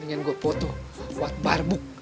ini yang gua foto buat barbuk